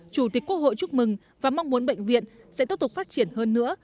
chủ tịch quốc hội chúc mừng và mong muốn bệnh viện sẽ tiếp tục phát triển hơn nữa